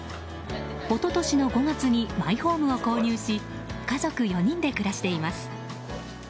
一昨年の５月にマイホームを購入し家族４人で暮らしています。